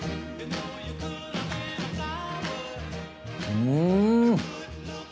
うん！